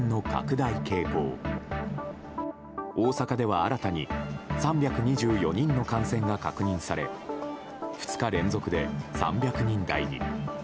大阪では新たに３２４人の感染が確認され２日連続で３００人台に。